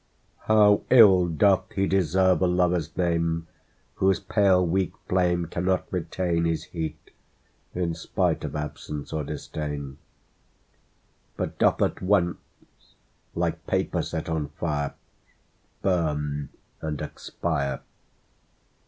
HOW ill doth lie deserve a Lover's name Whose pale weak flame Cannot retain His heat, in spite of absence or disdain ; But doth at once, like paper set on fire, Burn and expire